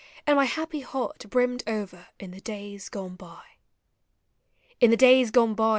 And my happy heart brimmed over, in the days gone by. In the days gone by.